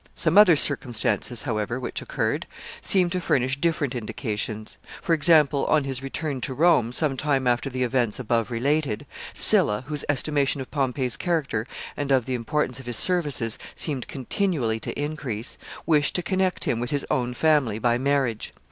Some other circumstances, however, which occurred, seem to furnish different indications. For example, on his return to Rome, some time after the events above related, Sylla, whose estimation of Pompey's character and of the importance of his services seemed continually to increase, wished to connect him with his own family by marriage.